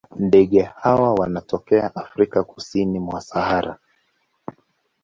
Ndege hawa wanatokea Afrika kusini mwa Sahara.